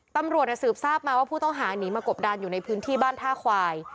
ตำรวจสืบทราบมาว่าผู้ต้องหาหนีมากบดานอยู่ในพื้นที่บ้านท่าควาย